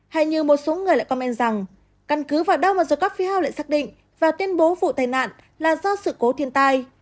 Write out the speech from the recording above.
hay như một số người lại comment rằng căn cứ vào đâu mà the coffee house lại xác định và tuyên bố vụ tài nạn là do sự cố thiên tai